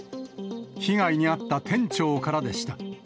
被害に遭った店長からでした。